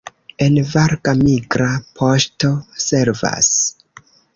En Varga migra poŝto servas.